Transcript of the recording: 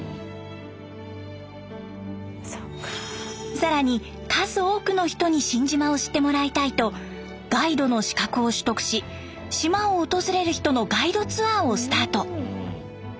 更に数多くの人に新島を知ってもらいたいとガイドの資格を取得し島を訪れる人のガイドツアーをスタート。